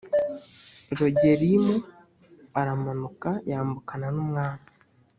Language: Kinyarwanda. rogelimu aramanuka yambukana n’umwami